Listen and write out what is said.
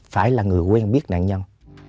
phải là người quen biết nạn nhân